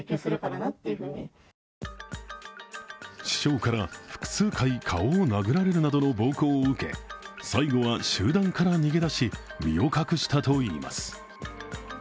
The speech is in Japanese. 師匠から複数回顔を殴られるなどの暴行を受け、最後は集団から逃げ出し身を隠したといいます。